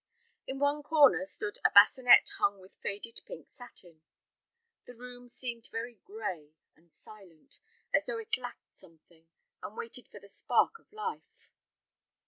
In one corner stood a bassinet hung with faded pink satin. The room seemed very gray and silent, as though it lacked something, and waited for the spark of life.